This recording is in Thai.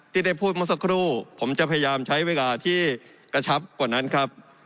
ที่ได้พูดเมื่อสักครู่ผมจะพยายามใช้เวลาที่กระชับกว่านั้นครับ